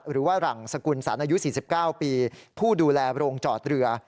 หรือว่าหลังสกุลสันอายุ๔๙ปีผู้ดูแลโรงจอดเรือ